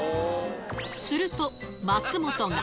すると松本が。